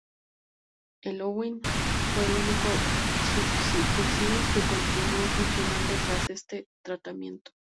El Owen fue el único subfusil que continuó funcionando tras este tratamiento.